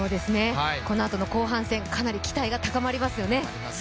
このあとの後半戦かなり、期待が高まりますよね。